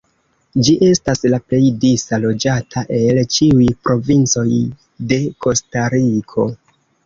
Ĝi estas la plej disa loĝata el ĉiuj provincoj de Kostariko.